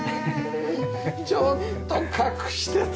ちょっと隠してた！